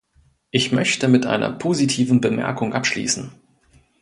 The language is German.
Ich möchte mit einer positiven Bemerkung abschließen.